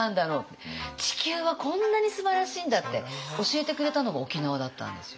地球はこんなにすばらしいんだって教えてくれたのが沖縄だったんですよ。